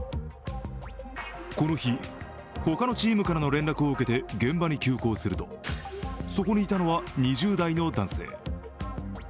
この日、ほかのチームからの連絡を受けて現場に急行すると、そこにいたのは２０代の男性。